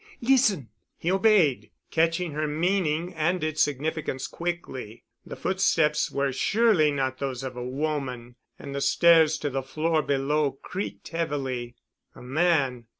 Listen." He obeyed, catching her meaning and its significance quickly. The footsteps were surely not those of a woman, and the stairs to the floor below creaked heavily. "A man!